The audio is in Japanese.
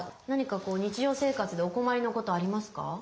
何かこう日常生活でお困りのことありますか？